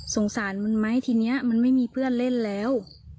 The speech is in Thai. สงสารมันไหมทีนี้มันไม่มีเพื่อนเล่นแล้ว